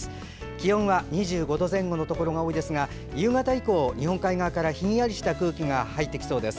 気温は２５度前後のところが多いですが夕方以降は日本海側からひんやりした空気が入ってきそうです。